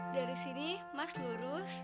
dari sini mas lurus